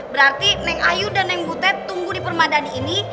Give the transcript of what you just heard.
berarti neng ayu dan neng butet tumbuh di permadani ini